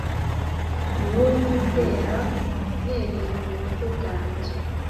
ni wowe nizera uhereye mu buto bwanjye